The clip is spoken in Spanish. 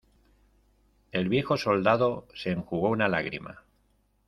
el viejo soldado se enjugó una lágrima.